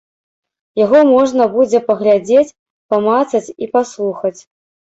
Яго можна будзе паглядзець, памацаць і паслухаць.